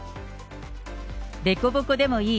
凸凹でもいい。